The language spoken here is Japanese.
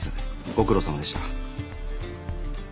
ご苦労さまでした。